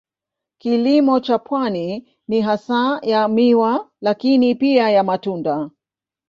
Kilimo cha pwani ni hasa ya miwa lakini pia ya matunda.